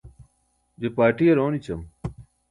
je parṭiyar oonićam